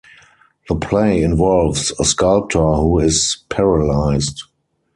The play involves a sculptor who is paralysed.